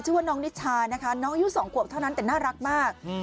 ชื่อว่าน้องนิจชายน้องอยู่๒ขวบเท่านั้นแต่น่ารักมาก